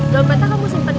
dompetnya kamu simpen